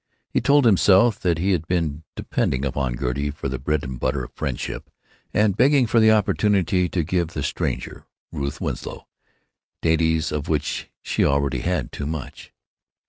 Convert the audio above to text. He told himself that he had been depending upon Gertie for the bread and butter of friendship, and begging for the opportunity to give the stranger, Ruth Winslow, dainties of which she already had too much.